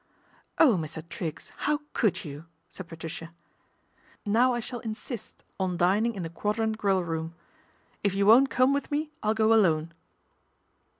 " Oh, Mr. Triggs, how could you ?" said Patricia. " Now I shall insist on dining in the Quadrant Grill room. If you won't come with me I'll go alone."